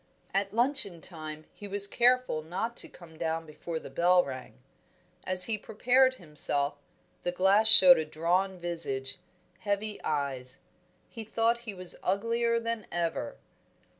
At luncheon time he was careful not to come down before the bell rang. As he prepared himself, the glass showed a drawn visage, heavy eyes; he thought he was uglier than ever.